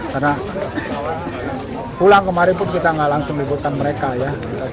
karena pulang kemarin pun kita nggak langsung libutkan mereka ya